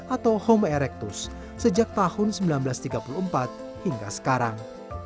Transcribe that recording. atau home erectus sejak tahun seribu sembilan ratus tiga puluh empat hingga sekarang